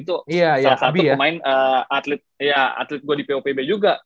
satu pemain atlet gue di popb juga